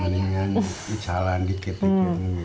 mendingan istirahat di kppg